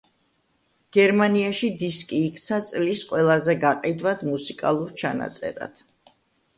გერმანიაში დისკი იქცა წლის ყველაზე გაყიდვად მუსიკალურ ჩანაწერად.